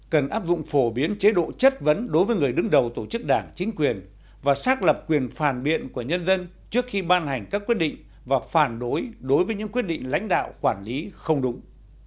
cần áp dụng phổ biến chế độ chất vấn đối với người đứng đầu tổ chức đảng chính quyền và xác lập quyền phản biện của nhân dân trước khi ban hành các quyết định và phản đối đối với những quyết định lãnh đạo quản lý không đúng